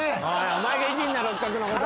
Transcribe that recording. お前がいじんな六角のこと。